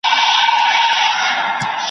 پر سپین آس باندي وو سپور لکه سلطان وو `